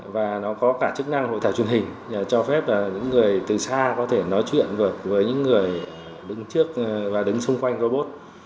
và nó có cả chức năng hội thảo truyền hình cho phép những người từ xa có thể nói chuyện được với những người đứng trước và đứng xung quanh robot